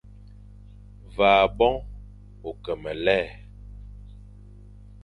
Ve aboñ ô ke me lè,